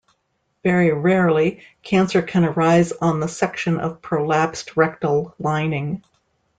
Very rarely, cancer can arise on the section of prolapsed rectal lining.